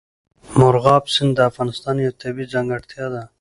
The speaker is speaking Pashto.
مورغاب سیند د افغانستان یوه طبیعي ځانګړتیا ده.